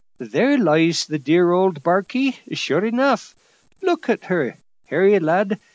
there lies the dear old barkie, sure enough. Look at her, Harry, lad.